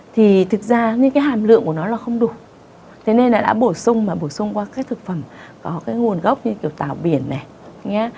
thực ra hàm lượng của nó không đủ nên đã bổ sung qua các thực phẩm có nguồn gốc như tàu biển